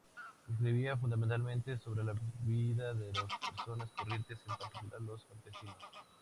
Escribía fundamentalmente sobre la vida de personas corrientes, en particular los campesinos.